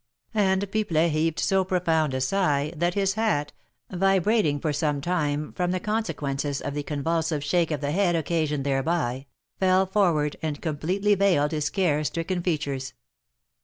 And Pipelet heaved so profound a sigh that his hat, vibrating for some time from the consequences of the convulsive shake of the head occasioned thereby, fell forward and completely veiled his care stricken features.